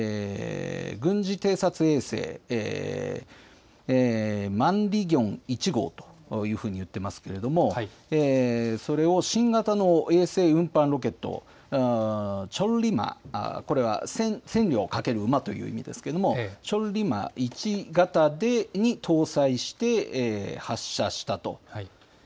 軍事偵察衛星、１号というふうに言ってますけれども、それを新型の衛星運搬ロケット、チョンリマ、これはを駆ける馬ということですけれども、チョンリマ１型に搭載して、発射したと。